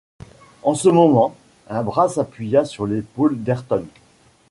En ce moment, un bras s’appuya sur l’épaule d’Ayrton